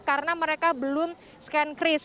karena mereka belum scankris